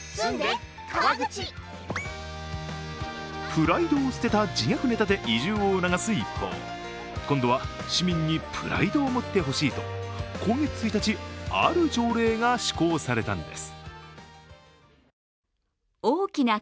プライドを捨てた自虐ネタで移住を促す一方、今度は市民にプライドを持ってほしいと今月１日、ある条例が施行されたんです。